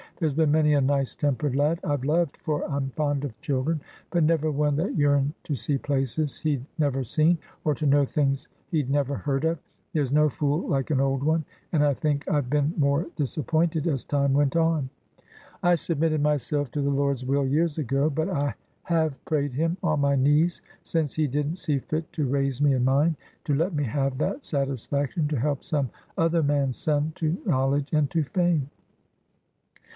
There's been many a nice tempered lad I've loved, for I'm fond of children, but never one that yearned to see places he'd never seen, or to know things he'd never heard of. There's no fool like an old one, and I think I've been more disappointed as time went on. I submitted myself to the Lord's will years ago; but I have prayed Him, on my knees, since He didn't see fit to raise me and mine, to let me have that satisfaction to help some other man's son to knowledge and to fame.